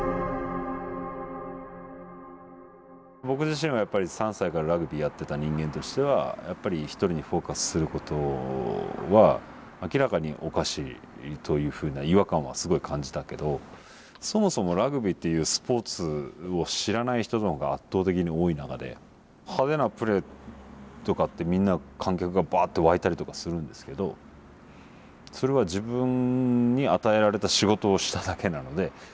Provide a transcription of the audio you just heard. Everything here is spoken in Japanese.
僕自身はやっぱり３歳からラグビーやっていた人間としてはやっぱり一人にフォーカスすることは明らかにおかしいというふうな違和感はすごい感じたけどそもそもラグビーっていうスポーツを知らない人の方が圧倒的に多い中で派手なプレーとかってみんな観客がばっと沸いたりとかするんですけどそれは自分に与えられた仕事をしただけなので。